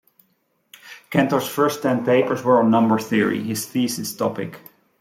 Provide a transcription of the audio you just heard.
Cantor's first ten papers were on number theory, his thesis topic.